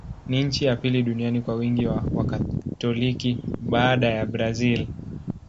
Ni nchi ya pili duniani kwa wingi wa Wakatoliki, baada ya Brazil.